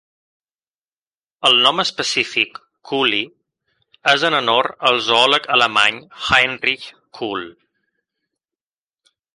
El nom específic, "kuhli", és en honor al zoòleg alemany Heinrich Kuhl.